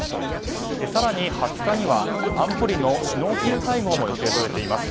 更に２０日には安保理の首脳級会合も予定されています。